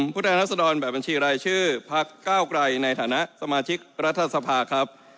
แทนรัศดรแบบบัญชีรายชื่อพักเก้าไกลในฐานะสมาชิกรัฐสภาครับ